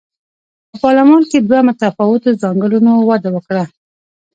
په پارلمان کې دوه متفاوتو ځانګړنو وده وکړه.